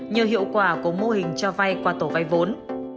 nhờ hiệu quả của mô hình cho vay qua tổ vay vốn